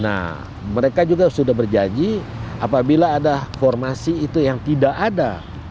nah mereka juga sudah berjanji apabila ada formasi itu yang tidak ada